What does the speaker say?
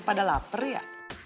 pada lapar ya